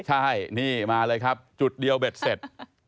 ใช่นี่มาเลยครับจุดเดียวเบ็ดเสร็จ